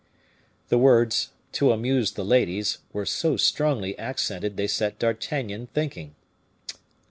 The words "to amuse the ladies" were so strongly accented they set D'Artagnan thinking.